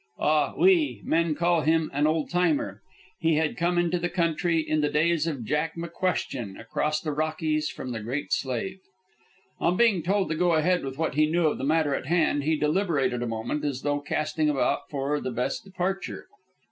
Ah, oui, men called him an old timer. He had come into the country in the days of Jack McQuestion, across the Rockies from the Great Slave. On being told to go ahead with what he knew of the matter in hand, he deliberated a moment, as though casting about for the best departure.